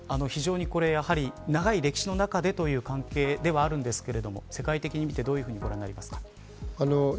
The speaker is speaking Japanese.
非常に、これはやはり長い歴史の中でという関係ではあるんですが世界的に見てどういうふうにご覧になりますか。